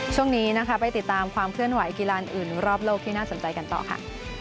ช่วงนี้นะคะไปติดตามความเคลื่อนไหวกีฬานอื่นรอบโลกที่น่าสนใจกันต่อค่ะ